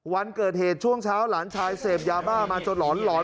วันเกิดเหตุช่วงเช้าหลานชายเสพยาบ้ามาจนหลอนหลอน